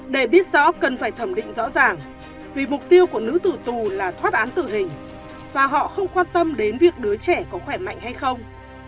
để biết rõ cần phải thẩm định rõ ràng vì mục tiêu của nữ tử tù là thoát án tử hình và họ không quan tâm đến việc đứa trẻ có khỏe mạnh hay không